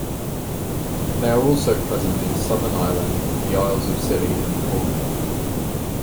They are also present in southern Ireland, the Isles of Scilly and Cornwall.